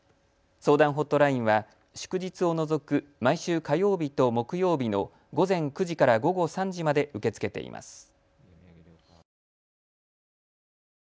相談ほっとラインは祝日を除く毎週火曜日と木曜日の午前９時から午後３時まで受け付けています。